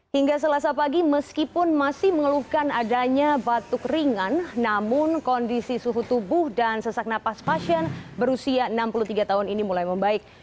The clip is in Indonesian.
hingga selasa pagi meskipun masih mengeluhkan adanya batuk ringan namun kondisi suhu tubuh dan sesak napas pasien berusia enam puluh tiga tahun ini mulai membaik